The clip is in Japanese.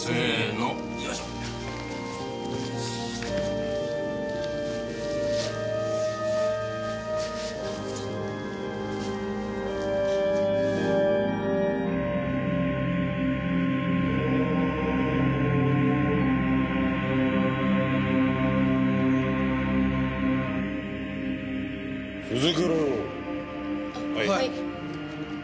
はい。